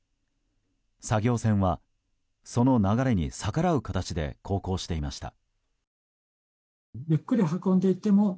作業船はその流れに逆らう形で航行していました。